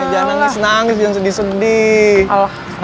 jangan nangis nangis yang sedih sedih